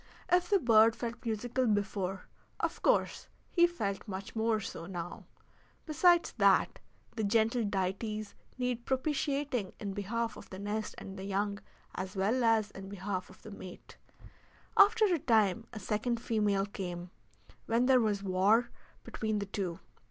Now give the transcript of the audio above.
If the bird felt musical before, of course he felt much more so now. Besides that, the gentle deities needed propitiating in behalf of the nest and young as well as in behalf of the mate. After a time a second female came, when there was war between the two.